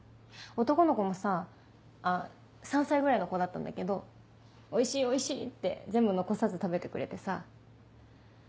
男の子もさあっ３歳ぐらいの子だったんだけどおいしいおいしい！って全部残さず食べてくれてさ。